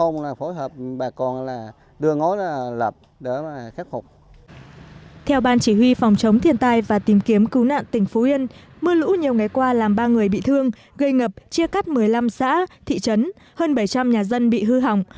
mưa lũ nhiều ngày qua làm ba người bị thương gây ngập chia cắt một mươi năm xã thị trấn hơn bảy trăm linh nhà dân bị hư hỏng